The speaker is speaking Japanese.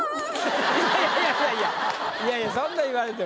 いやいやそんなん言われても。